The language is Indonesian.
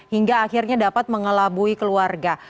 hingga akhirnya dapat mengelabui keluarga